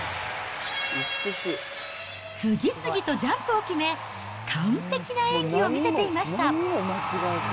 次々とジャンプを決め、完璧な演技を見せていました。